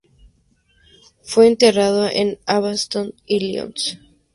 Fue enterrado en Evanston, Illinois.